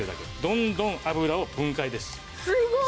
どんどん油を分解です。